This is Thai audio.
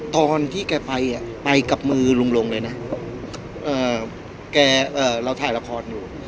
ตอนที่แกไปไปกับมือลุงลงเลยนะแกเราถ่ายละครอยู่